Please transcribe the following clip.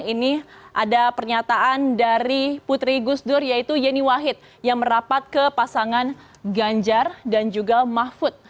ini ada pernyataan dari putri gus dur yaitu yeni wahid yang merapat ke pasangan ganjar dan juga mahfud